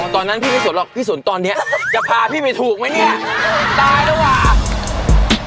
ตอนนั้นพี่ไม่สนหรอกพี่สนตอนเนี้ยจะพาพี่ไปถูกไหมเนี่ยตายแล้วว่ะ